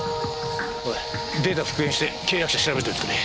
データ復元して契約者調べといてくれ。